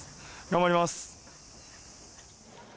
頑張ります。